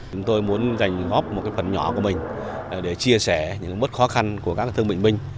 chúng tôi muốn dành góp một phần nhỏ của mình để chia sẻ những mất khó khăn của các thương bệnh binh